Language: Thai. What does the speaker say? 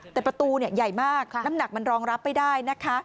แต่ประตูใหญ่มากน้ำหนักมันรองรับไม่ได้นะคะ